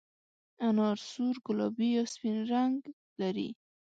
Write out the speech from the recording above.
انار سور، ګلابي یا سپین رنګ لري.